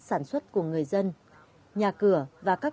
sản xuất của người dân nhà cửa và các